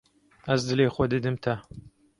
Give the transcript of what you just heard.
Ez dilê xwe didim te.